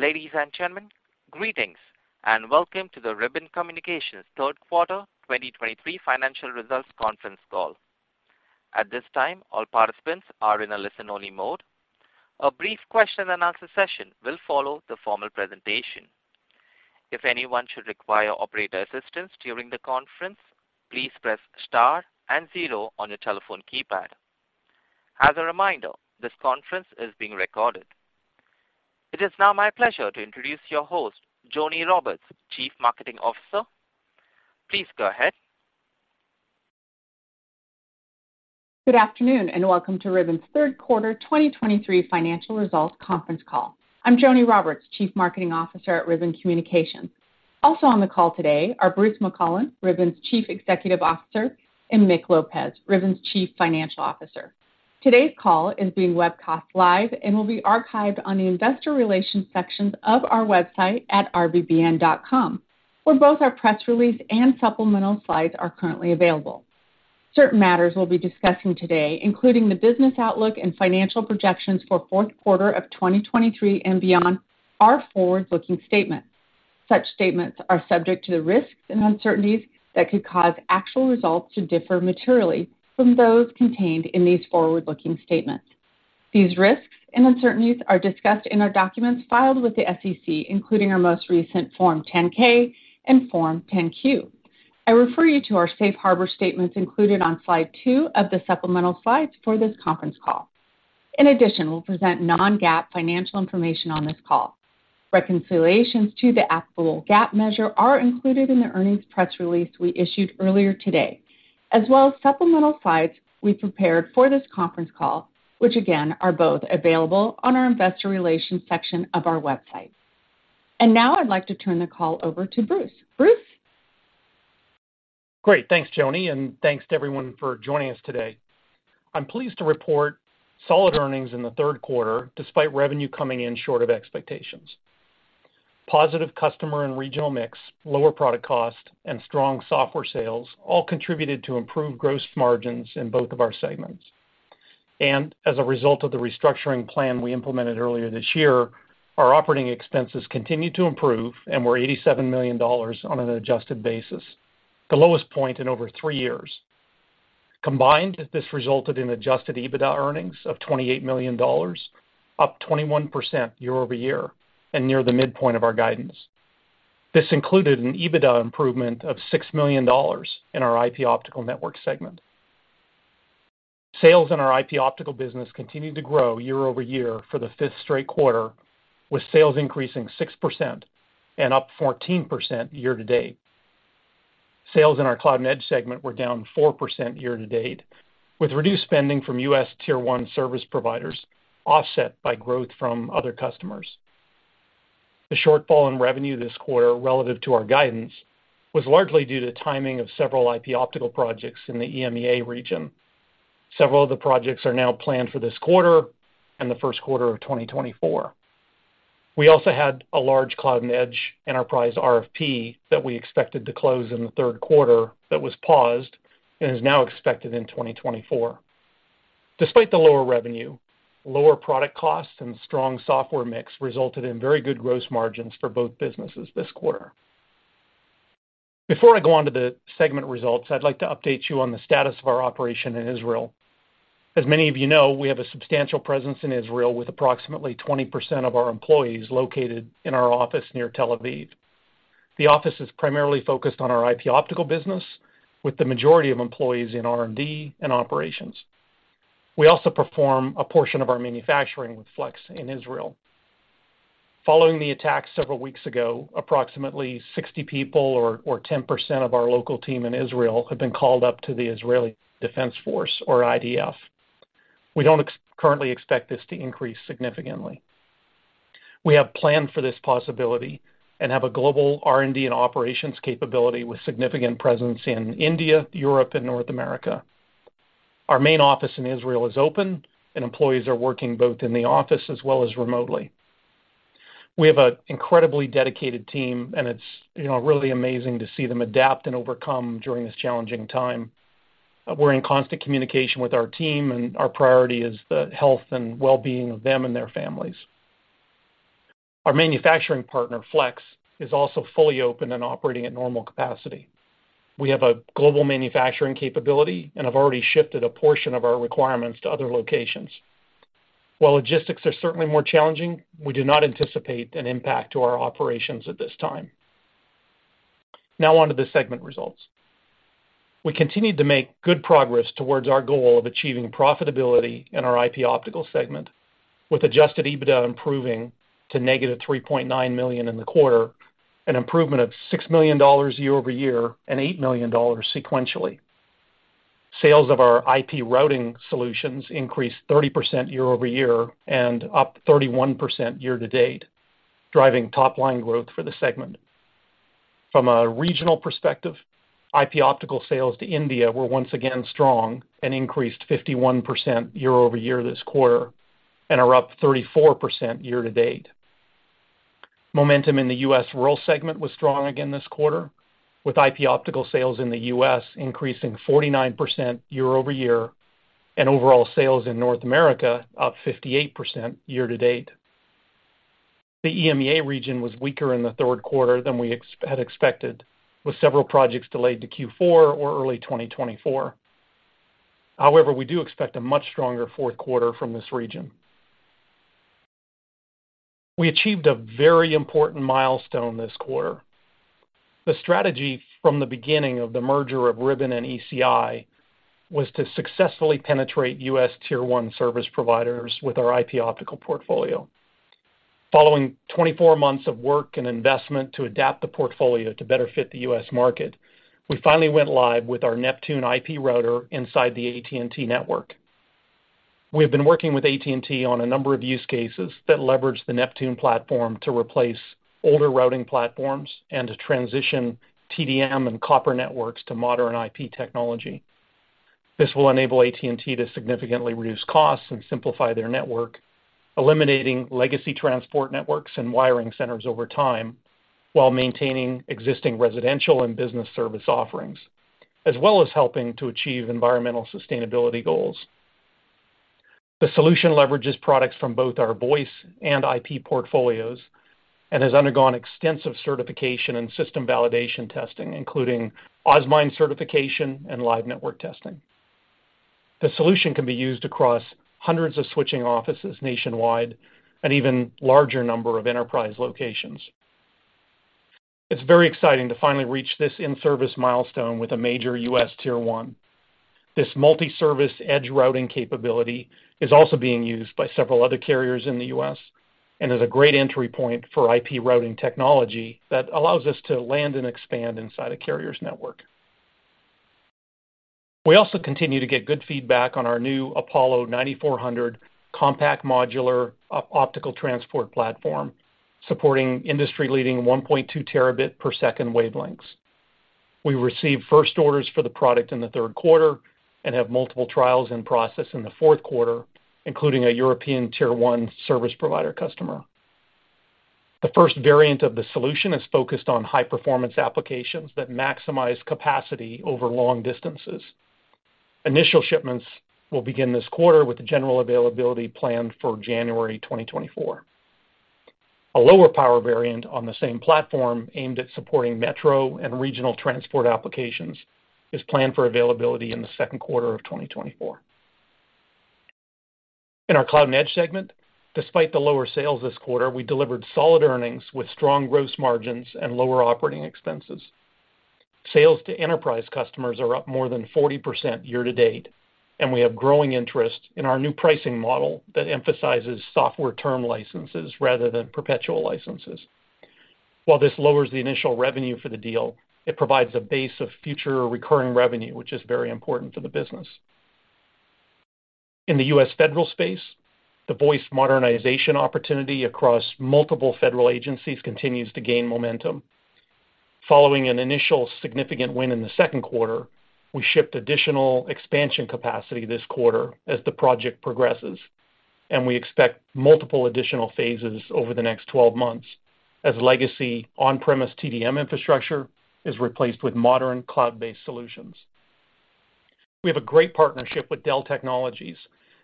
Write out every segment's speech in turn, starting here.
Ladies and gentlemen, greetings, and welcome to the Ribbon Communications third quarter 2023 financial results conference call. At this time, all participants are in a listen-only mode. A brief question-and-answer session will follow the formal presentation. If anyone should require operator assistance during the conference, please press star and zero on your telephone keypad. As a reminder, this conference is being recorded. It is now my pleasure to introduce your host, Joni Roberts, Chief Marketing Officer. Please go ahead. Good afternoon, and welcome to Ribbon's third quarter 2023 financial results conference call. I'm Joni Roberts, Chief Marketing Officer at Ribbon Communications. Also on the call today are Bruce McClelland, Ribbon's Chief Executive Officer, and Mick Lopez, Ribbon's Chief Financial Officer. Today's call is being webcast live and will be archived on the investor relations sections of our website at rbbn.com, where both our press release and supplemental slides are currently available. Certain matters we'll be discussing today, including the business outlook and financial projections for fourth quarter of 2023 and beyond, are forward-looking statements. Such statements are subject to the risks and uncertainties that could cause actual results to differ materially from those contained in these forward-looking statements. These risks and uncertainties are discussed in our documents filed with the SEC, including our most recent Form 10-K and Form 10-Q. I refer you to our safe harbor statements included on slide two of the supplemental slides for this conference call. In addition, we'll present non-GAAP financial information on this call. Reconciliations to the applicable GAAP measure are included in the earnings press release we issued earlier today, as well as supplemental slides we prepared for this conference call, which again, are both available on our investor relations section of our website. Now I'd like to turn the call over to Bruce. Bruce? Great. Thanks, Joni, and thanks to everyone for joining us today. I'm pleased to report solid earnings in the third quarter, despite revenue coming in short of expectations. Positive customer and regional mix, lower product cost, and strong software sales all contributed to improved gross margins in both of our segments. And as a result of the restructuring plan we implemented earlier this year, our operating expenses continued to improve and were $87 million on an adjusted basis, the lowest point in over three years. Combined, this resulted in adjusted EBITDA earnings of $28 million, up 21% year-over-year and near the midpoint of our guidance. This included an EBITDA improvement of $6 million in our IP Optical network segment. Sales in our IP Optical business continued to grow year-over-year for the fifth straight quarter, with sales increasing 6% and up 14% year-to-date. Sales in our Cloud and Edge segment were down 4% year-to-date, with reduced spending from U.S. Tier One service providers offset by growth from other customers. The shortfall in revenue this quarter relative to our guidance was largely due to timing of several IP Optical projects in the EMEA region. Several of the projects are now planned for this quarter and the first quarter of 2024. We also had a large Cloud and Edge enterprise RFP that we expected to close in the third quarter that was paused and is now expected in 2024. Despite the lower revenue, lower product costs and strong software mix resulted in very good gross margins for both businesses this quarter. Before I go on to the segment results, I'd like to update you on the status of our operation in Israel. As many of you know, we have a substantial presence in Israel, with approximately 20% of our employees located in our office near Tel Aviv. The office is primarily focused on our IP Optical business, with the majority of employees in R&D and operations. We also perform a portion of our manufacturing with Flex in Israel. Following the attack several weeks ago, approximately 60 people or 10% of our local team in Israel have been called up to the Israeli Defense Force, or IDF. We don't currently expect this to increase significantly. We have planned for this possibility and have a global R&D and operations capability with significant presence in India, Europe, and North America. Our main office in Israel is open, and employees are working both in the office as well as remotely. We have an incredibly dedicated team, and it's, you know, really amazing to see them adapt and overcome during this challenging time. We're in constant communication with our team, and our priority is the health and well-being of them and their families. Our manufacturing partner, Flex, is also fully open and operating at normal capacity. We have a global manufacturing capability and have already shifted a portion of our requirements to other locations. While logistics are certainly more challenging, we do not anticipate an impact to our operations at this time. Now on to the segment results. We continued to make good progress towards our goal of achieving profitability in our IP Optical segment, with adjusted EBITDA improving to negative $3.9 million in the quarter, an improvement of $6 million year-over-year and $8 million sequentially. Sales of our IP routing solutions increased 30% year-over-year and up 31% year-to-date, driving top-line growth for the segment. From a regional perspective, IP Optical sales to India were once again strong and increased 51% year-over-year this quarter and are up 34% year-to-date. Momentum in the U.S. rural segment was strong again this quarter, with IP Optical sales in the U.S. increasing 49% year-over-year, and overall sales in North America up 58% year-to-date. The EMEA region was weaker in the third quarter than we had expected, with several projects delayed to Q4 or early 2024. However, we do expect a much stronger fourth quarter from this region. We achieved a very important milestone this quarter. The strategy from the beginning of the merger of Ribbon and ECI was to successfully penetrate U.S. Tier One service providers with our IP Optical portfolio. Following 24 months of work and investment to adapt the portfolio to better fit the U.S. market, we finally went live with our Neptune IP router inside the AT&T network. We have been working with AT&T on a number of use cases that leverage the Neptune platform to replace older routing platforms and to transition TDM and copper networks to modern IP technology. This will enable AT&T to significantly reduce costs and simplify their network, eliminating legacy transport networks and wiring centers over time, while maintaining existing residential and business service offerings, as well as helping to achieve environmental sustainability goals. The solution leverages products from both our voice and IP portfolios and has undergone extensive certification and system validation testing, including OSMINE certification and live network testing. The solution can be used across hundreds of switching offices nationwide and even larger number of enterprise locations. It's very exciting to finally reach this in-service milestone with a major U.S. Tier One. This multi-service edge routing capability is also being used by several other carriers in the U.S. and is a great entry point for IP routing technology that allows us to land and expand inside a carrier's network. We also continue to get good feedback on our new Apollo 9400 compact modular optical transport platform, supporting industry-leading 1.2 terabit per second wavelengths. We received first orders for the product in the third quarter and have multiple trials in process in the fourth quarter, including a European Tier One service provider customer. The first variant of the solution is focused on high-performance applications that maximize capacity over long distances. Initial shipments will begin this quarter, with the general availability planned for January 2024. A lower power variant on the same platform, aimed at supporting metro and regional transport applications, is planned for availability in the second quarter of 2024. In our Cloud and Edge segment, despite the lower sales this quarter, we delivered solid earnings with strong gross margins and lower operating expenses. Sales to enterprise customers are up more than 40% year to date, and we have growing interest in our new pricing model that emphasizes software term licenses rather than perpetual licenses. While this lowers the initial revenue for the deal, it provides a base of future recurring revenue, which is very important for the business. In the U.S. federal space, the voice modernization opportunity across multiple federal agencies continues to gain momentum. Following an initial significant win in the second quarter, we shipped additional expansion capacity this quarter as the project progresses, and we expect multiple additional phases over the next 12 months as legacy on-premise TDM infrastructure is replaced with modern cloud-based solutions. We have a great partnership with Dell Technologies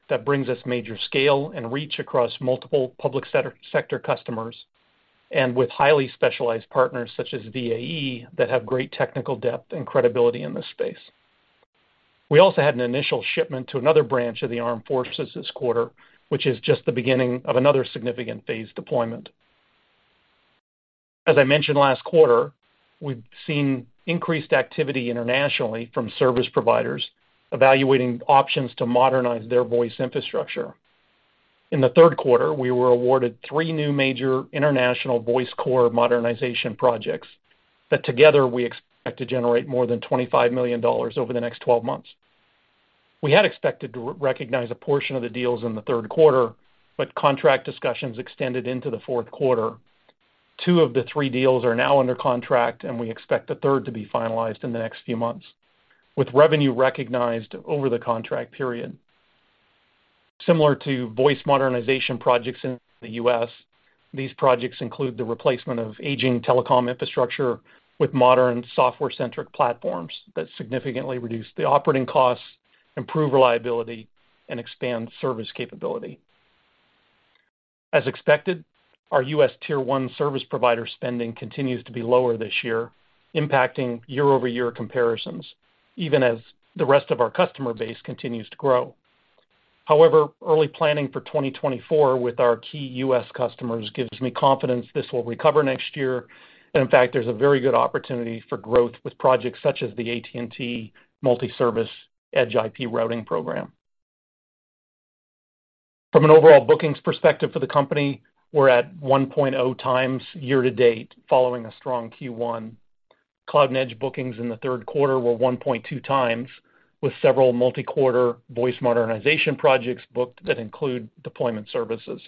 that brings us major scale and reach across multiple public sector, sector customers and with highly specialized partners such as VAE, that have great technical depth and credibility in this space. We also had an initial shipment to another branch of the Armed Forces this quarter, which is just the beginning of another significant phase deployment. As I mentioned last quarter, we've seen increased activity internationally from service providers evaluating options to modernize their voice infrastructure. In the third quarter, we were awarded three new major international voice core modernization projects that together, we expect to generate more than $25 million over the next 12 months. We had expected to re-recognize a portion of the deals in the third quarter, but contract discussions extended into the fourth quarter. Two of the three deals are now under contract, and we expect the third to be finalized in the next few months, with revenue recognized over the contract period. Similar to voice modernization projects in the U.S., these projects include the replacement of aging telecom infrastructure with modern software-centric platforms that significantly reduce the operating costs, improve reliability, and expand service capability. As expected, our U.S. Tier One service provider spending continues to be lower this year, impacting year-over-year comparisons, even as the rest of our customer base continues to grow. However, early planning for 2024 with our key U.S. customers gives me confidence this will recover next year. In fact, there's a very good opportunity for growth with projects such as the AT&T Multi-Service Edge IP routing program. From an overall bookings perspective for the company, we're at 1.0 times year to date, following a strong Q1. Cloud and Edge bookings in the third quarter were 1.2 times, with several multi-quarter voice modernization projects booked that include deployment services.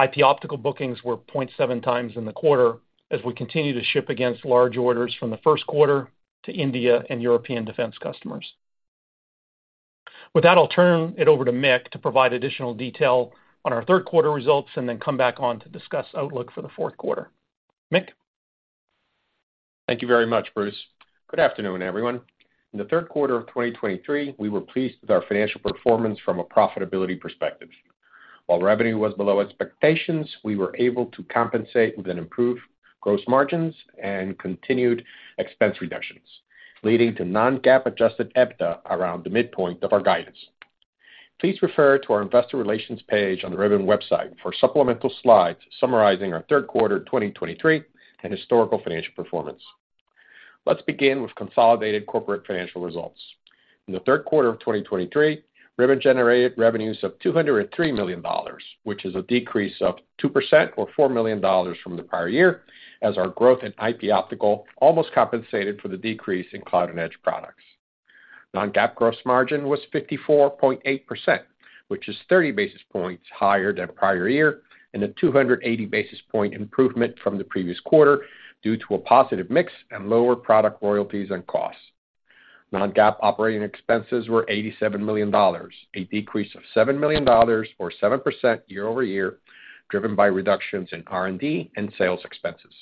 IP Optical bookings were 0.7 times in the quarter, as we continue to ship against large orders from the first quarter to India and European defense customers.... With that, I'll turn it over to Mick to provide additional detail on our third quarter results, and then come back on to discuss outlook for the fourth quarter. Mick? Thank you very much, Bruce. Good afternoon, everyone. In the third quarter of 2023, we were pleased with our financial performance from a profitability perspective. While revenue was below expectations, we were able to compensate with improved gross margins and continued expense reductions, leading to non-GAAP adjusted EBITDA around the midpoint of our guidance. Please refer to our investor relations page on the Ribbon website for supplemental slides summarizing our third quarter 2023 and historical financial performance. Let's begin with consolidated corporate financial results. In the third quarter of 2023, Ribbon generated revenues of $203 million, which is a decrease of 2% or $4 million from the prior year, as our growth in IP Optical almost compensated for the decrease in Cloud and Edge products. Non-GAAP gross margin was 54.8%, which is 30 basis points higher than prior year, and a 280 basis point improvement from the previous quarter due to a positive mix and lower product royalties and costs. Non-GAAP operating expenses were $87 million, a decrease of $7 million or 7% year-over-year, driven by reductions in R&D and sales expenses.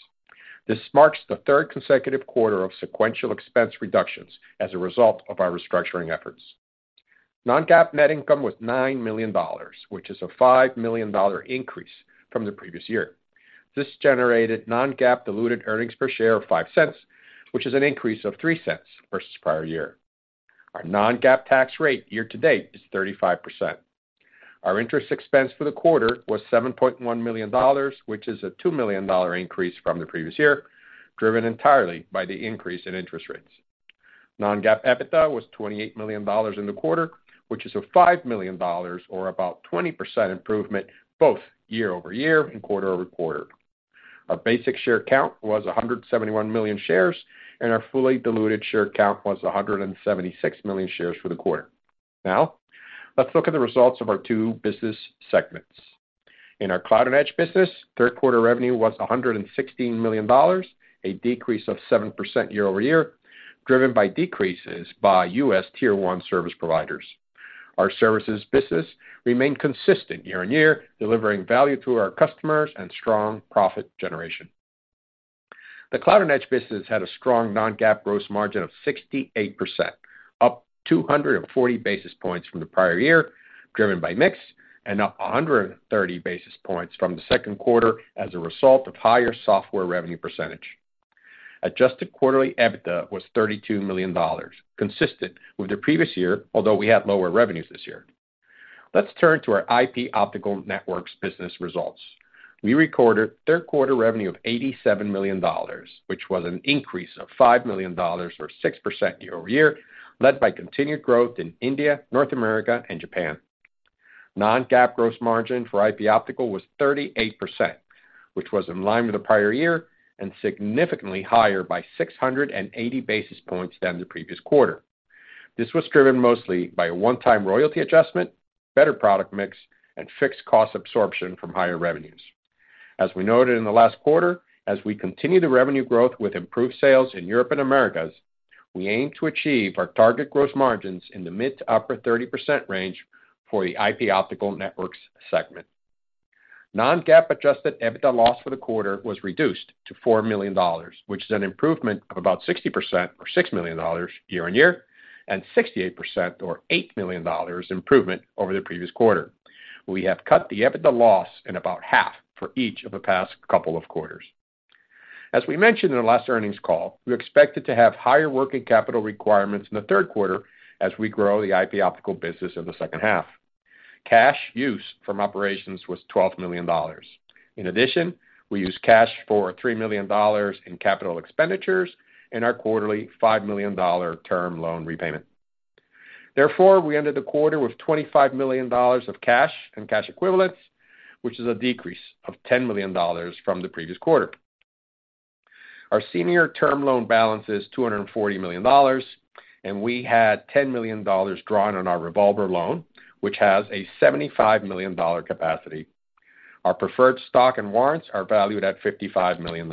This marks the third consecutive quarter of sequential expense reductions as a result of our restructuring efforts. Non-GAAP net income was $9 million, which is a $5 million increase from the previous year. This generated non-GAAP diluted earnings per share of $0.05, which is an increase of $0.03 versus prior year. Our non-GAAP tax rate year-to-date is 35%. Our interest expense for the quarter was $7.1 million, which is a $2 million increase from the previous year, driven entirely by the increase in interest rates. Non-GAAP EBITDA was $28 million in the quarter, which is a $5 million or about 20% improvement, both year-over-year and quarter-over-quarter. Our basic share count was 171 million shares, and our fully diluted share count was 176 million shares for the quarter. Now, let's look at the results of our two business segments. In our Cloud and Edge business, third quarter revenue was $116 million, a decrease of 7% year-over-year, driven by decreases by U.S. Tier One service providers. Our Services business remained consistent year-over-year, delivering value to our customers and strong profit generation. The Cloud and Edge business had a strong non-GAAP gross margin of 68%, up 240 basis points from the prior year, driven by mix, and up 130 basis points from the second quarter as a result of higher software revenue percentage. Adjusted quarterly EBITDA was $32 million, consistent with the previous year, although we had lower revenues this year. Let's turn to our IP Optical Networks business results. We recorded third quarter revenue of $87 million, which was an increase of $5 million or 6% year-over-year, led by continued growth in India, North America, and Japan. Non-GAAP gross margin for IP Optical was 38%, which was in line with the prior year and significantly higher by 680 basis points than the previous quarter. This was driven mostly by a one-time royalty adjustment, better product mix, and fixed cost absorption from higher revenues. As we noted in the last quarter, as we continue the revenue growth with improved sales in Europe and Americas, we aim to achieve our target gross margins in the mid- to upper-30% range for the IP Optical Networks segment. Non-GAAP adjusted EBITDA loss for the quarter was reduced to $4 million, which is an improvement of about 60% or $6 million year-on-year, and 68% or $8 million improvement over the previous quarter. We have cut the EBITDA loss in about half for each of the past couple of quarters. As we mentioned in the last earnings call, we expected to have higher working capital requirements in the third quarter as we grow the IP Optical business in the second half. Cash use from operations was $12 million. In addition, we used cash for $3 million in capital expenditures and our quarterly $5 million dollar term loan repayment. Therefore, we ended the quarter with $25 million of cash and cash equivalents, which is a decrease of $10 million from the previous quarter. Our senior term loan balance is $240 million, and we had $10 million drawn on our revolver loan, which has a $75 million dollar capacity. Our preferred stock and warrants are valued at $55 million.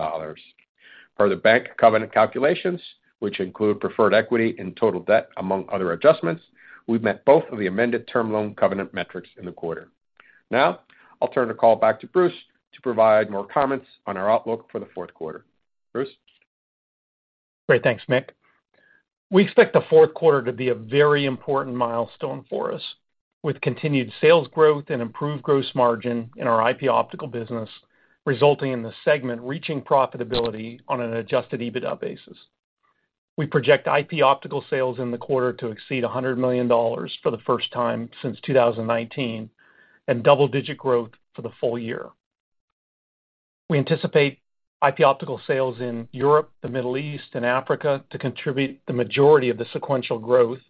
Per the bank covenant calculations, which include preferred equity and total debt, among other adjustments, we've met both of the amended term loan covenant metrics in the quarter. Now, I'll turn the call back to Bruce to provide more comments on our outlook for the fourth quarter. Bruce? Great, thanks, Mick. We expect the fourth quarter to be a very important milestone for us, with continued sales growth and improved gross margin in our IP Optical business, resulting in the segment reaching profitability on an adjusted EBITDA basis. We project IP Optical sales in the quarter to exceed $100 million for the first time since 2019, and double-digit growth for the full year. We anticipate IP Optical sales in Europe, the Middle East, and Africa to contribute the majority of the sequential growth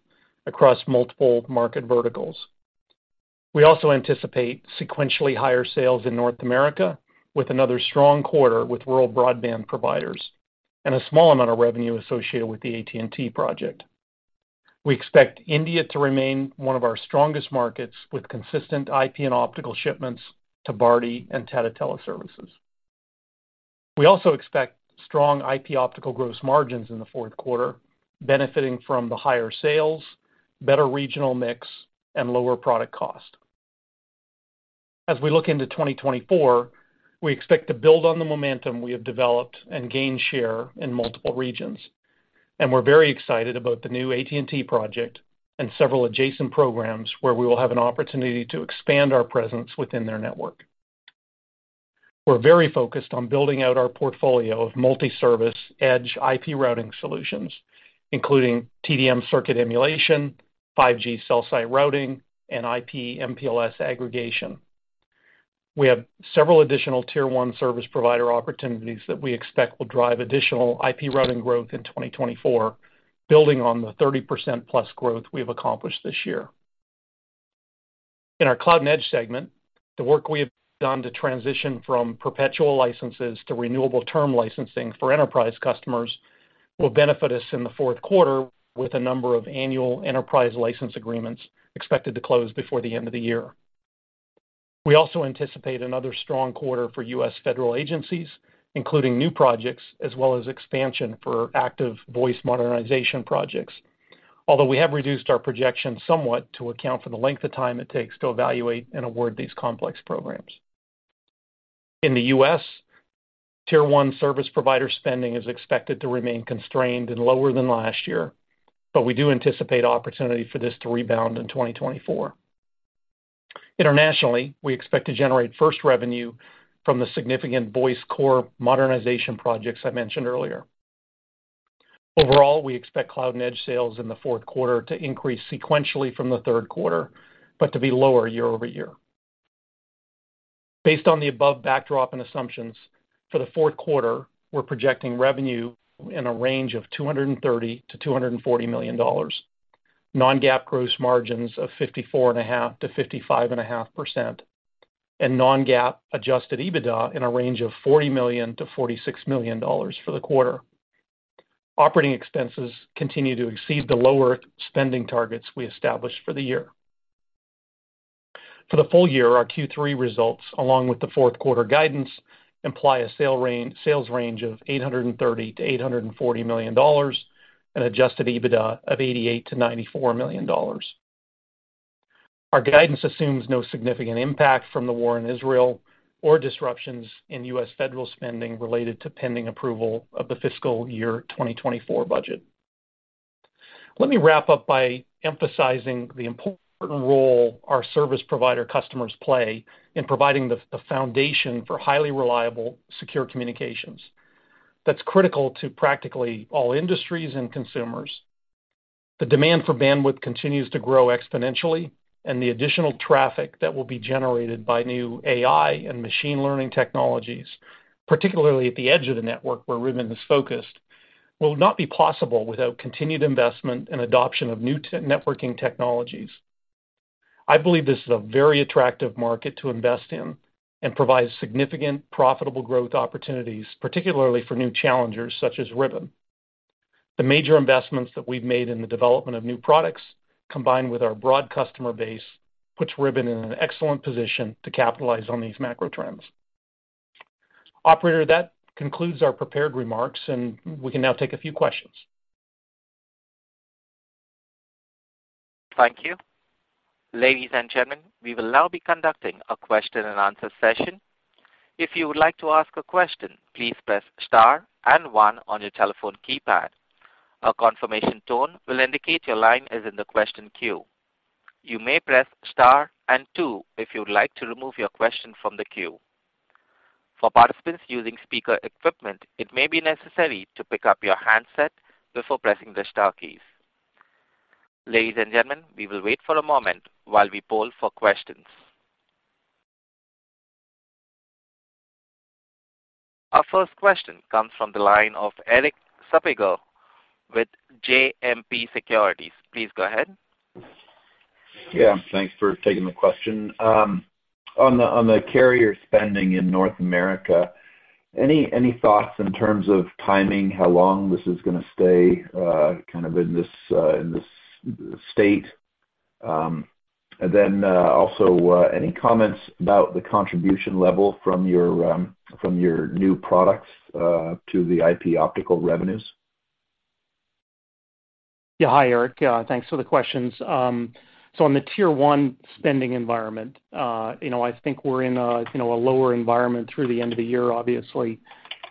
across multiple market verticals. We also anticipate sequentially higher sales in North America, with another strong quarter with rural broadband providers and a small amount of revenue associated with the AT&T project. We expect India to remain one of our strongest markets, with consistent IP and Optical shipments to Bharti and Tata Teleservices. We also expect strong IP Optical gross margins in the fourth quarter, benefiting from the higher sales, better regional mix, and lower product cost. As we look into 2024, we expect to build on the momentum we have developed and gain share in multiple regions, and we're very excited about the new AT&T project and several adjacent programs where we will have an opportunity to expand our presence within their network. We're very focused on building out our portfolio of multi-service edge IP routing solutions, including TDM circuit emulation, 5G cell site routing, and IP/MPLS aggregation. We have several additional Tier One service provider opportunities that we expect will drive additional IP routing growth in 2024, building on the 30%+ growth we have accomplished this year. In our Cloud and Edge segment, the work we have done to transition from perpetual licenses to renewable term licensing for enterprise customers will benefit us in the fourth quarter, with a number of annual enterprise license agreements expected to close before the end of the year. We also anticipate another strong quarter for U.S. federal agencies, including new projects as well as expansion for active voice modernization projects. Although we have reduced our projections somewhat to account for the length of time it takes to evaluate and award these complex programs. In the U.S., Tier One service provider spending is expected to remain constrained and lower than last year, but we do anticipate opportunity for this to rebound in 2024. Internationally, we expect to generate first revenue from the significant voice core modernization projects I mentioned earlier. Overall, we expect Cloud and Edge sales in the fourth quarter to increase sequentially from the third quarter, but to be lower year-over-year. Based on the above backdrop and assumptions, for the fourth quarter, we're projecting revenue in a range of $230 million-$240 million. Non-GAAP gross margins of 54.5%-55.5%, and non-GAAP adjusted EBITDA in a range of $40 million-$46 million for the quarter. Operating expenses continue to exceed the lower spending targets we established for the year. For the full year, our Q3 results, along with the fourth quarter guidance, imply a sales range of $830 million-$840 million and adjusted EBITDA of $88 million-$94 million. Our guidance assumes no significant impact from the war in Israel or disruptions in U.S. federal spending related to pending approval of the fiscal year 2024 budget. Let me wrap up by emphasizing the important role our service provider customers play in providing the foundation for highly reliable, secure communications. That's critical to practically all industries and consumers. The demand for bandwidth continues to grow exponentially, and the additional traffic that will be generated by new AI and machine learning technologies, particularly at the edge of the network where Ribbon is focused, will not be possible without continued investment and adoption of new networking technologies. I believe this is a very attractive market to invest in and provides significant profitable growth opportunities, particularly for new challengers such as Ribbon. The major investments that we've made in the development of new products, combined with our broad customer base, puts Ribbon in an excellent position to capitalize on these macro trends. Operator, that concludes our prepared remarks, and we can now take a few questions. Thank you. Ladies and gentlemen, we will now be conducting a question and answer session. If you would like to ask a question, please press star and one on your telephone keypad. A confirmation tone will indicate your line is in the question queue. You may press star and two if you'd like to remove your question from the queue. For participants using speaker equipment, it may be necessary to pick up your handset before pressing the star keys. Ladies and gentlemen, we will wait for a moment while we poll for questions. Our first question comes from the line of Erik Suppiger with JMP Securities. Please go ahead. Yeah, thanks for taking the question. On the carrier spending in North America, any thoughts in terms of timing, how long this is going to stay, kind of, in this state? And then, also, any comments about the contribution level from your new products to the IP Optical revenues? Yeah. Hi, Erik, thanks for the questions. So on the tier one spending environment, you know, I think we're in a, you know, a lower environment through the end of the year, obviously.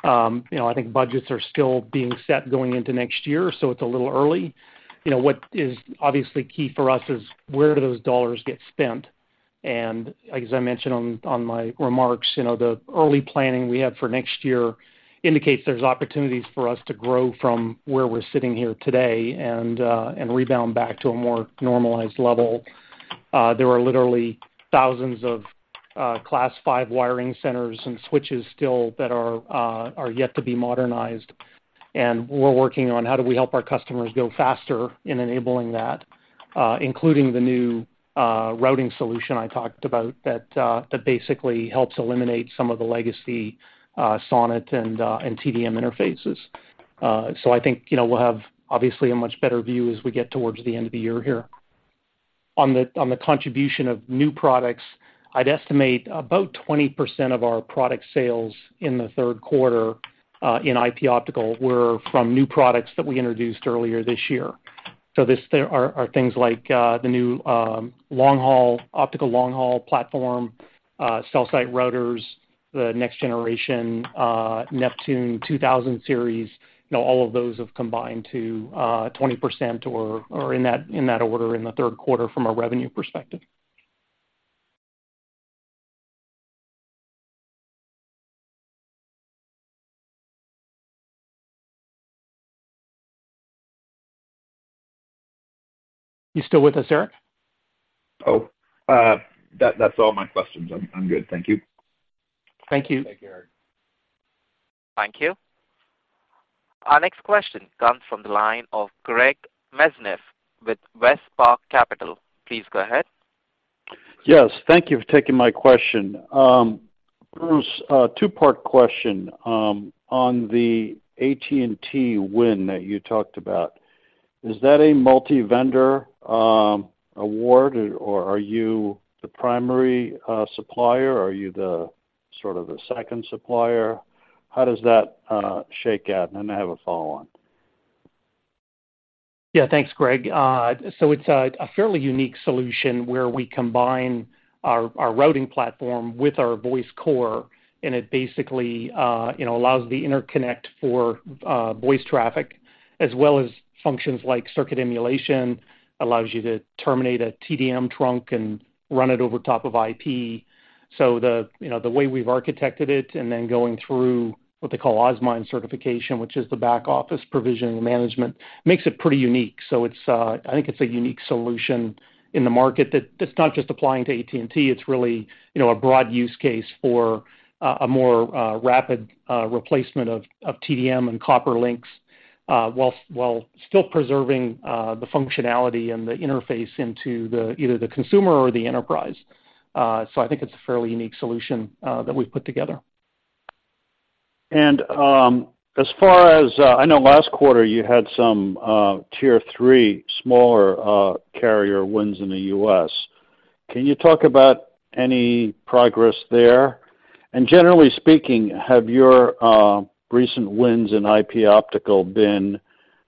You know, I think budgets are still being set going into next year, so it's a little early. You know, what is obviously key for us is where do those dollars get spent? And as I mentioned on, on my remarks, you know, the early planning we have for next year indicates there's opportunities for us to grow from where we're sitting here today and, and rebound back to a more normalized level. There are literally thousands of, Class 5 wiring centers and switches still that are, are yet to be modernized. We're working on how do we help our customers go faster in enabling that, including the new routing solution I talked about, that basically helps eliminate some of the legacy SONET and TDM interfaces. So I think, you know, we'll have obviously a much better view as we get towards the end of the year here... on the contribution of new products, I'd estimate about 20% of our product sales in the third quarter in IP Optical were from new products that we introduced earlier this year. So there are things like the new long-haul optical long-haul platform, cell site routers, the next generation Neptune 2000 Series. You know, all of those have combined to 20% or, or in that, in that order in the third quarter from a revenue perspective. You still with us, Erik? Oh, that's all my questions. I'm, I'm good. Thank you. Thank you. Thank you. Thank you. Our next question comes from the line of Greg Mesniaeff with Westpark Capital. Please go ahead. Yes, thank you for taking my question. Bruce, a two-part question. On the AT&T win that you talked about, is that a multi-vendor award, or are you the primary supplier? Are you the sort of the second supplier? How does that shake out? And I have a follow on. Yeah, thanks, Greg. So it's a fairly unique solution where we combine our routing platform with our voice core, and it basically, you know, allows the interconnect for voice traffic as well as functions like circuit emulation, allows you to terminate a TDM trunk and run it over top of IP. So, you know, the way we've architected it, and then going through what they call OSMINE certification, which is the back-office provisioning management, makes it pretty unique. So it's, I think it's a unique solution in the market that it's not just applying to AT&T, it's really, you know, a broad use case for a more rapid replacement of TDM and copper links, while still preserving the functionality and the interface into the either the consumer or the enterprise. So I think it's a fairly unique solution that we've put together. As far as I know last quarter you had some tier three smaller carrier wins in the U.S. Can you talk about any progress there? Generally speaking, have your recent wins in IP Optical been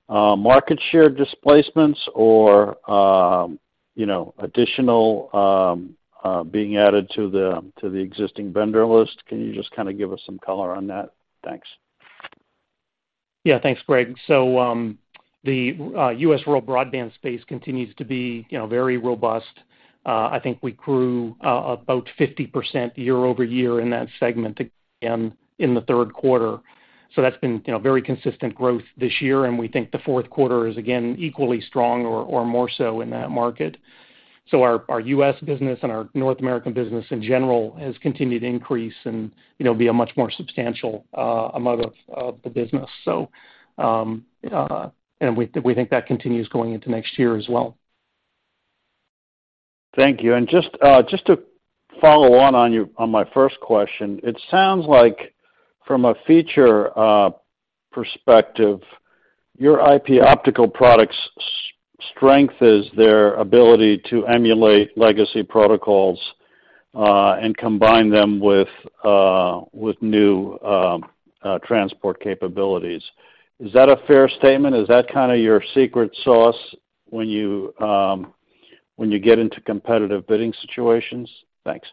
market share displacements or, you know, additional being added to the existing vendor list? Can you just kind of give us some color on that? Thanks. Yeah, thanks, Greg. So, the U.S. rural broadband space continues to be, you know, very robust. I think we grew about 50% year-over-year in that segment again, in the third quarter. So that's been, you know, very consistent growth this year, and we think the fourth quarter is again, equally strong or more so in that market. So our U.S. business and our North American business in general has continued to increase and, you know, be a much more substantial amount of the business. And we think that continues going into next year as well. Thank you. And just, just to follow on, on your, on my first question, it sounds like from a feature, perspective, your IP Optical products' strength is their ability to emulate legacy protocols, and combine them with, with new, transport capabilities. Is that a fair statement? Is that kind of your secret sauce when you, when you get into competitive bidding situations? Thanks.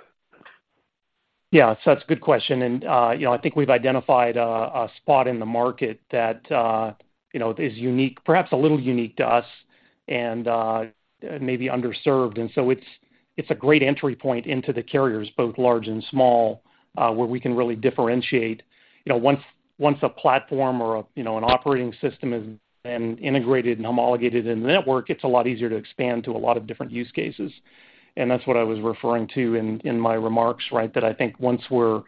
Yeah, so that's a good question. And, you know, I think we've identified a spot in the market that, you know, is unique, perhaps a little unique to us and, maybe underserved. And so it's a great entry point into the carriers, both large and small, where we can really differentiate. You know, once a platform or a, you know, an operating system is then integrated and homologated in the network, it's a lot easier to expand to a lot of different use cases. And that's what I was referring to in my remarks, right? That I think once we're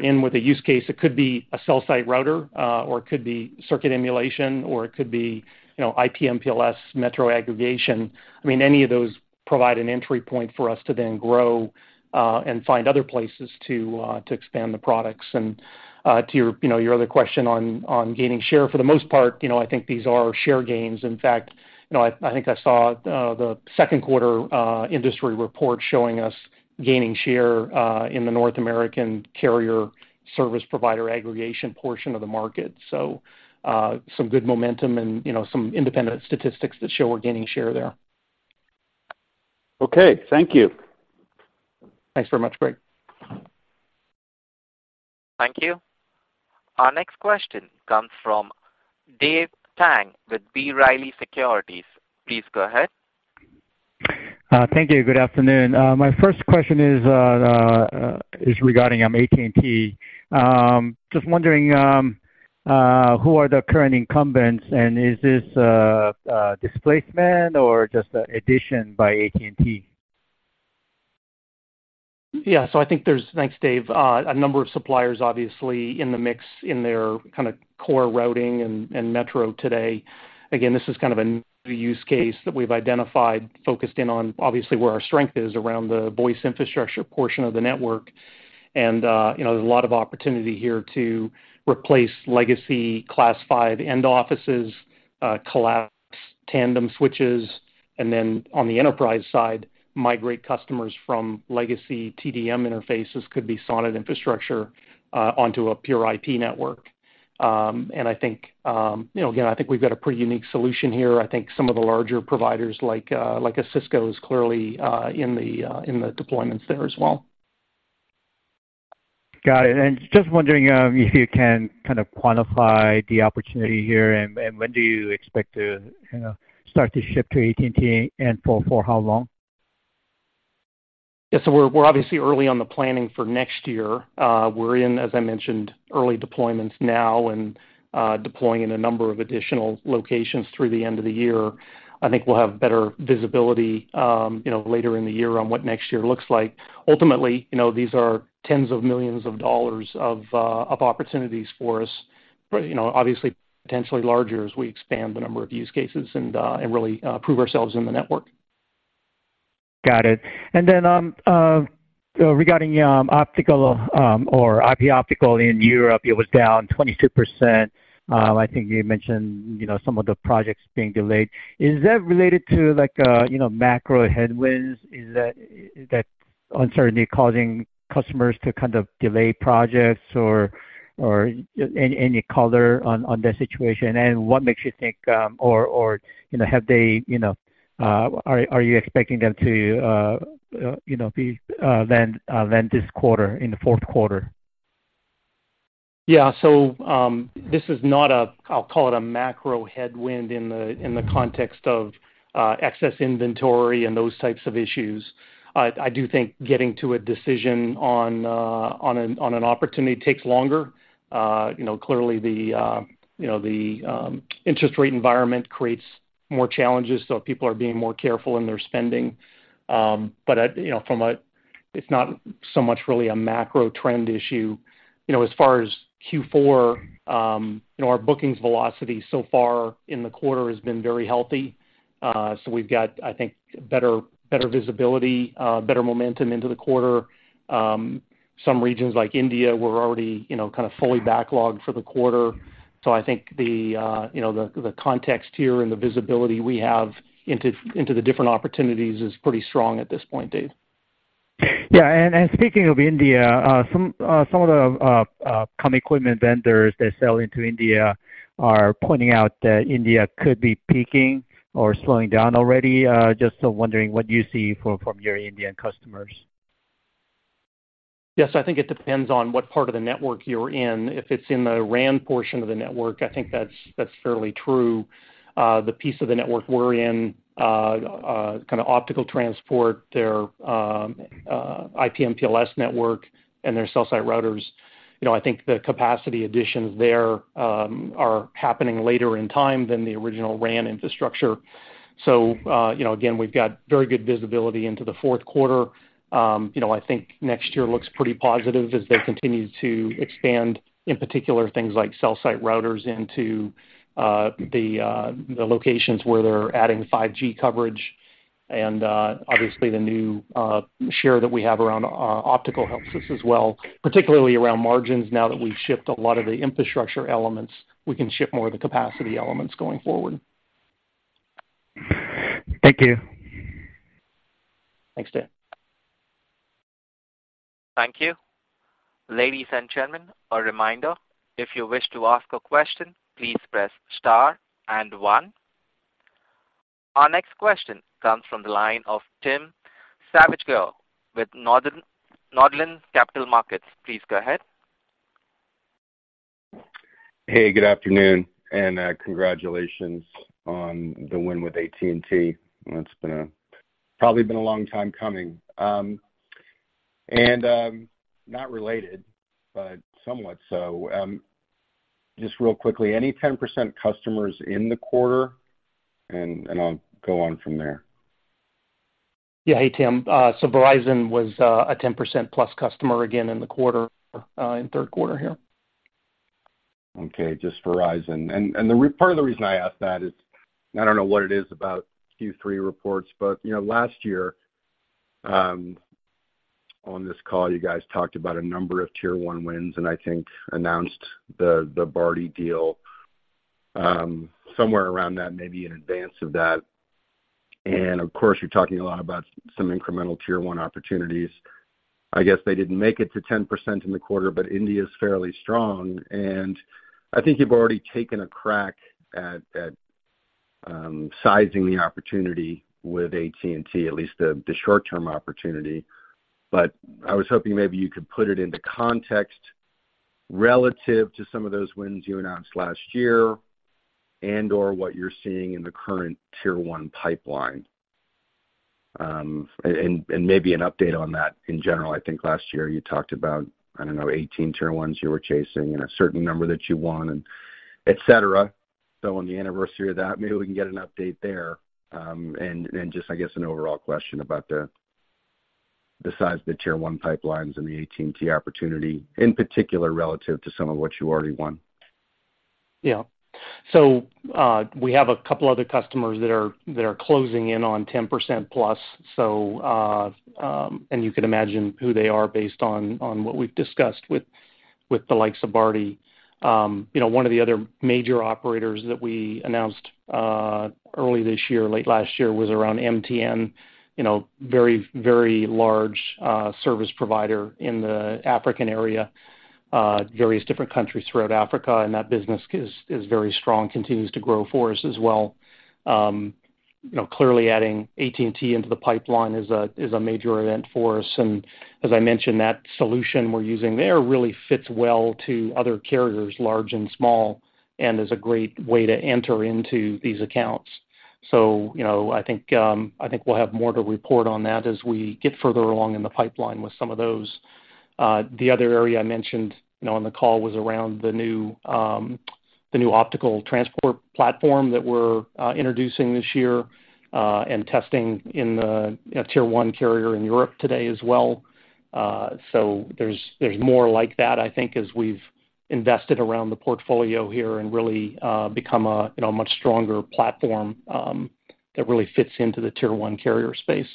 in with a use case, it could be a cell site router, or it could be circuit emulation, or it could be, you know, IP/MPLS, metro aggregation. I mean, any of those provide an entry point for us to then grow and find other places to expand the products. To your, you know, your other question on gaining share, for the most part, you know, I think these are share gains. In fact, you know, I think I saw the second quarter industry report showing us gaining share in the North American carrier service provider aggregation portion of the market. Some good momentum and, you know, some independent statistics that show we're gaining share there. Okay, thank you. Thanks very much, Greg. Thank you. Our next question comes from Dave Kang with B. Riley Securities. Please go ahead. Thank you. Good afternoon. My first question is regarding AT&T. Just wondering who are the current incumbents, and is this a displacement or just an addition by AT&T? Yeah. So I think there's... Thanks, Dave. A number of suppliers, obviously, in the mix in their kind of core routing and metro today. Again, this is kind of a new use case that we've identified, focused in on, obviously, where our strength is around the voice infrastructure portion of the network. And you know, there's a lot of opportunity here to replace legacy Class 5 end offices, collapse tandem switches, and then on the enterprise side, migrate customers from legacy TDM interfaces, could be SONET infrastructure, onto a pure IP network. And I think, you know, again, I think we've got a pretty unique solution here. I think some of the larger providers, like a Cisco, is clearly in the deployments there as well. Got it. Just wondering if you can kind of quantify the opportunity here, and when do you expect to, you know, start to ship to AT&T, and for how long? Yes, so we're obviously early on the planning for next year. We're in, as I mentioned, early deployments now and deploying in a number of additional locations through the end of the year. I think we'll have better visibility, you know, later in the year on what next year looks like. Ultimately, you know, these are $ tens of millions of opportunities for us, but, you know, obviously potentially larger as we expand the number of use cases and really prove ourselves in the network. Got it. And then, regarding optical, or IP Optical in Europe, it was down 22%. I think you mentioned, you know, some of the projects being delayed. Is that related to like, you know, macro headwinds? Is that, that uncertainty causing customers to kind of delay projects or, or any, any color on, on that situation? And what makes you think, or, or, you know, have they, you know, are, are you expecting them to, you know, be, land, land this quarter in the fourth quarter? Yeah, so, this is not a, I'll call it a macro headwind in the, in the context of, excess inventory and those types of issues. I, I do think getting to a decision on, on an, on an opportunity takes longer. You know, clearly the, you know, the, interest rate environment creates more challenges, so people are being more careful in their spending. But, you know, from a, it's not so much really a macro trend issue. You know, as far as Q4, you know, our bookings velocity so far in the quarter has been very healthy. So we've got, I think, better, better visibility, better momentum into the quarter. Some regions like India, we're already, you know, kind of fully backlogged for the quarter. I think you know the context here and the visibility we have into the different opportunities is pretty strong at this point, Dave. Yeah, and speaking of India, some of the comm equipment vendors that sell into India are pointing out that India could be peaking or slowing down already. Just so wondering, what do you see from your Indian customers? Yes, I think it depends on what part of the network you're in. If it's in the RAN portion of the network, I think that's, that's fairly true. The piece of the network we're in, kind of optical transport, their IP/MPLS network and their cell site routers, you know, I think the capacity additions there are happening later in time than the original RAN infrastructure. So, you know, again, we've got very good visibility into the fourth quarter. You know, I think next year looks pretty positive as they continue to expand, in particular, things like cell site routers into the locations where they're adding 5G coverage. And, obviously, the new share that we have around our optical helps us as well, particularly around margins. Now that we've shipped a lot of the infrastructure elements, we can ship more of the capacity elements going forward. Thank you. Thanks, Dave. Thank you. Ladies and gentlemen, a reminder, if you wish to ask a question, please press star and one. Our next question comes from the line of Tim Savageaux with Northland Capital Markets. Please go ahead. Hey, good afternoon, and congratulations on the win with AT&T. It's been probably a long time coming. And not related, but somewhat so, just real quickly, any 10% customers in the quarter? And I'll go on from there. Yeah. Hey, Tim. So Verizon was a 10%+ customer again in the quarter, in third quarter here. Okay, just Verizon. And the reason I ask that is, I don't know what it is about Q3 reports, but you know, last year, on this call, you guys talked about a number of Tier One wins, and I think announced the Bharti deal somewhere around that, maybe in advance of that. And of course, you're talking a lot about some incremental Tier One opportunities. I guess they didn't make it to 10% in the quarter, but India is fairly strong, and I think you've already taken a crack at sizing the opportunity with AT&T, at least the short-term opportunity. But I was hoping maybe you could put it into context relative to some of those wins you announced last year and/or what you're seeing in the current Tier One pipeline. And maybe an update on that in general. I think last year you talked about, I don't know, 18 Tier Ones you were chasing and a certain number that you won and et cetera. So on the anniversary of that, maybe we can get an update there. And just, I guess, an overall question about the size of the Tier One pipelines and the AT&T opportunity, in particular, relative to some of what you already won. Yeah. So, we have a couple other customers that are closing in on 10% plus, so, and you can imagine who they are based on what we've discussed with the likes of Bharti. You know, one of the other major operators that we announced early this year, late last year, was around MTN, you know, very, very large service provider in the African area, various different countries throughout Africa, and that business is very strong, continues to grow for us as well. You know, clearly adding AT&T into the pipeline is a major event for us, and as I mentioned, that solution we're using there really fits well to other carriers, large and small, and is a great way to enter into these accounts. So, you know, I think, I think we'll have more to report on that as we get further along in the pipeline with some of those. The other area I mentioned, you know, on the call was around the new, the new optical transport platform that we're introducing this year, and testing in a Tier One carrier in Europe today as well. So, there's more like that, I think, as we've invested around the portfolio here and really, become a, you know, much stronger platform, that really fits into the Tier One carrier space.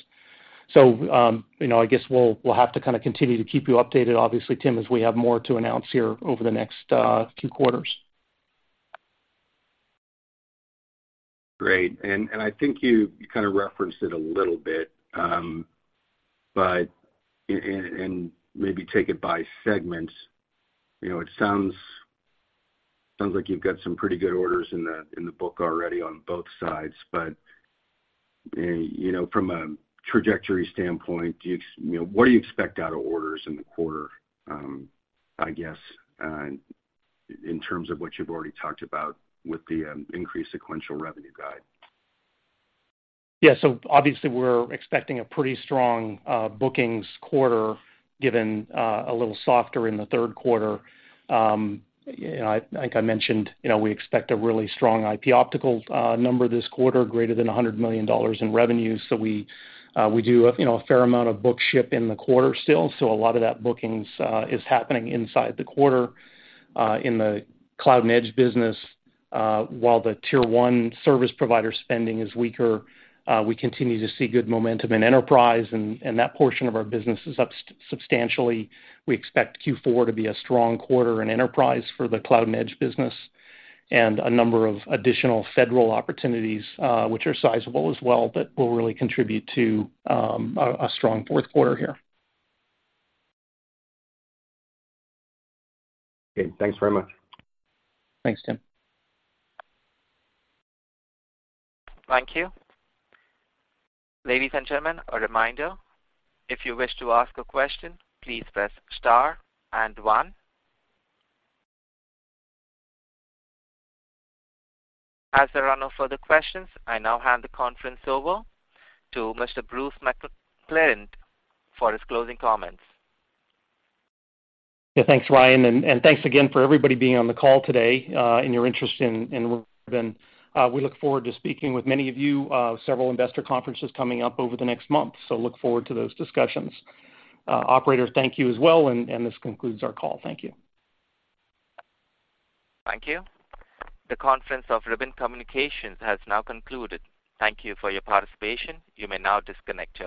So, you know, I guess we'll have to kind of continue to keep you updated, obviously, Tim, as we have more to announce here over the next, few quarters. Great. I think you kind of referenced it a little bit, but maybe take it by segments. You know, it sounds like you've got some pretty good orders in the book already on both sides. But you know, from a trajectory standpoint, do you, you know, what do you expect out of orders in the quarter? I guess, in terms of what you've already talked about with the increased sequential revenue guide? Yeah. So obviously, we're expecting a pretty strong bookings quarter, given a little softer in the third quarter. You know, I think I mentioned, you know, we expect a really strong IP Optical number this quarter, greater than $100 million in revenues. So we do, you know, a fair amount of book ship in the quarter still, so a lot of that bookings is happening inside the quarter. In the Cloud and Edge business, while the Tier One service provider spending is weaker, we continue to see good momentum in enterprise, and that portion of our business is up substantially. We expect Q4 to be a strong quarter in enterprise for the Cloud and Edge business, and a number of additional federal opportunities, which are sizable as well, that will really contribute to a strong fourth quarter here. Okay, thanks very much. Thanks, Tim. Thank you. Ladies and gentlemen, a reminder, if you wish to ask a question, please press star and one. As there are no further questions, I now hand the conference over to Mr. Bruce McClelland for his closing comments. Yeah, thanks, Ryan, and thanks again for everybody being on the call today, and your interest in Ribbon. We look forward to speaking with many of you, several investor conferences coming up over the next month, so look forward to those discussions. Operator, thank you as well, and this concludes our call. Thank you. Thank you. The conference of Ribbon Communications has now concluded. Thank you for your participation. You may now disconnect your lines.